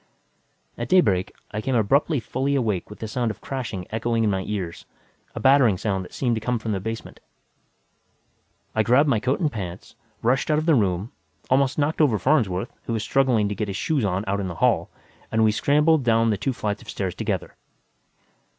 At daybreak, I came abruptly fully awake with the sound of crashing echoing in my ears, a battering sound that seemed to come from the basement. I grabbed my coat and pants, rushed out of the room, almost knocked over Farnsworth, who was struggling to get his shoes on out in the hall, and we scrambled down the two flights of stairs together.